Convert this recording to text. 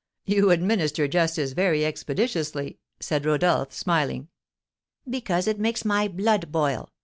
"You administer justice very expeditiously," said Rodolph, smiling. "Because it makes my blood boil.